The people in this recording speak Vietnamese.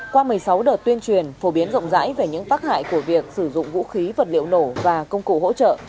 qua một mươi sáu đợt tuyên truyền phổ biến rộng rãi về những tác hại của việc sử dụng vũ khí vật liệu nổ và công cụ hỗ trợ